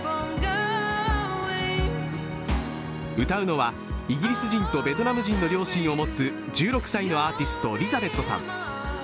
歌うのはイギリス人とベトナム人の両親を持つ１６歳のアーティスト、Ｌｉｚａｂｅｔさん。